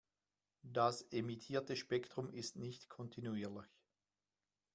Das emittierte Spektrum ist nicht kontinuierlich.